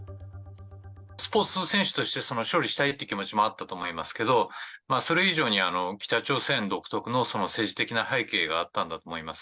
スポーツ選手として勝利したいって気持ちもあったと思いますけど、それ以上に北朝鮮独特の政治的な背景があったんだと思います。